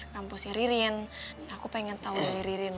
kampusnya ririn aku pengen tahu dari ririn